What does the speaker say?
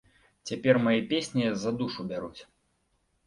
Цяпер мае песні за душу бяруць.